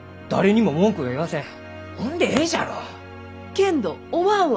けんどおまんは。